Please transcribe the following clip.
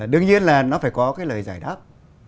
đương nhiên là nó phải có cái lời giải đáp